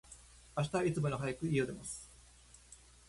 明日は、いつもより早く、家を出ます。